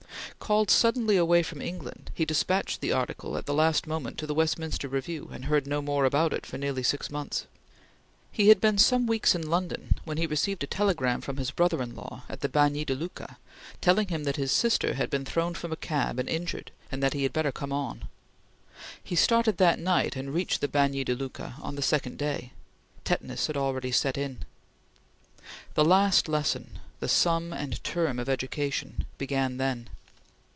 Called suddenly away from England, he despatched the article, at the last moment, to the Westminster Review and heard no more about it for nearly six months. He had been some weeks in London when he received a telegram from his brother in law at the Bagni di Lucca telling him that his sister had been thrown from a cab and injured, and that he had better come on. He started that night, and reached the Bagni di Lucca on the second day. Tetanus had already set in. The last lesson the sum and term of education began then.